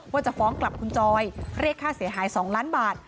ว่าจะฟ้องกลับคุณจอยเรียกค่าเสียหาย๒ล้านบาท